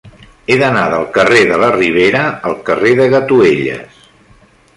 He d'anar del carrer de la Ribera al carrer de Gatuelles.